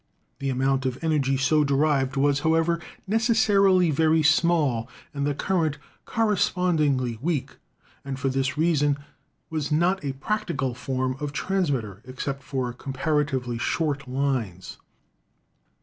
The amount of energy so derived was, however, necessarily very small and the current correspondingly weak, and for this reason this was not a practical form of transmitter, except for comparatively short lines.